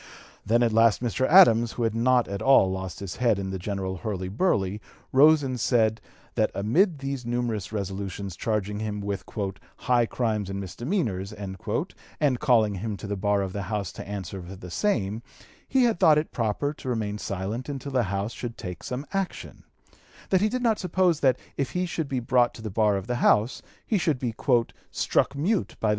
Then at last Mr. Adams, who had not at all lost his head in the general hurly burly, rose and said, that amid these numerous resolutions charging him with "high crimes and misdemeanors" and calling him to the bar of the House to answer for the same, he had thought it proper to remain silent until the House should take some action; that he did not suppose that, if he should be brought to the bar of the House, he should be "struck mute by the (p.